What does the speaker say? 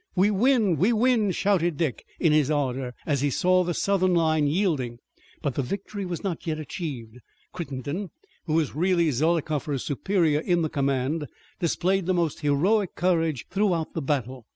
"We win! We win!" shouted Dick in his ardor, as he saw the Southern line yielding. But the victory was not yet achieved. Crittenden, who was really Zollicoffer's superior in the command, displayed the most heroic courage throughout the battle.